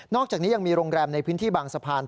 อกจากนี้ยังมีโรงแรมในพื้นที่บางสะพาน